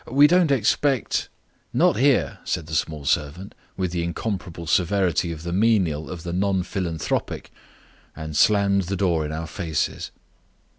We don't expect " "Not here," said the small servant, with the incomparable severity of the menial of the non philanthropic, and slammed the door in our faces.